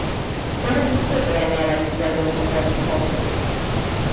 Com ho puc fer per anar a la Bisbal d'Empordà dijous?